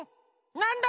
なんだ？